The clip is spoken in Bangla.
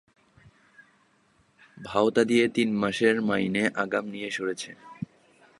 ভাঁওতা দিয়ে তিন মাসের মাইনে আগাম নিয়ে সরেছে।